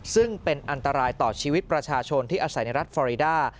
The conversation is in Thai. ซึ่งเป็นอันตรายต่อชีวิตประชาชนที่อาศัยในรัฐฟอริดา